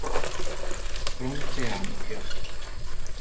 Fronte Ampio